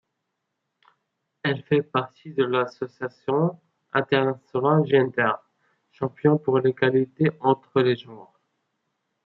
Elle fait partie de l'association International Gender Champions pour l'égalité entre les genres.